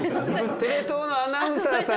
テレ東のアナウンサーさん